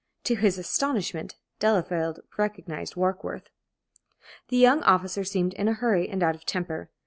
To his astonishment, Delafield recognized Warkworth. The young officer seemed in a hurry and out of temper.